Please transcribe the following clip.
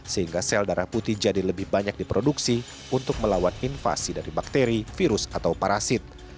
sehingga sel darah putih jadi lebih banyak diproduksi untuk melawan invasi dari bakteri virus atau parasit